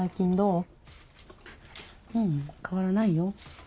うん変わらないよ。